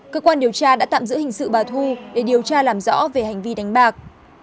cơ quan điều tra đã tạm giữ hình sự bà thu để điều tra làm rõ về hành vi đánh bạc